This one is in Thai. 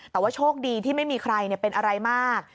แต่ว่าโชคดีที่ไม่มีใครเป็นอะไรมาก